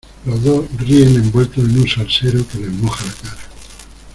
los dos ríen envueltos en un salsero que les moja la cara.